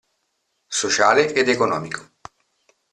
Sociale ed economico.